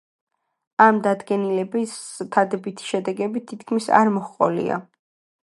ამ დადგენილებას დადებითი შედეგები თითქმის არ მოჰყოლია.